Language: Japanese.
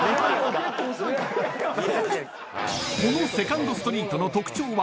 ［このセカンドストリートの特徴は］